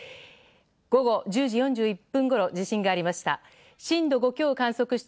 午後１０時４１分ごろ地震がありました。